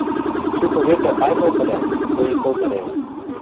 шукы векӹ аймылтылят, соикток ӓревӹ.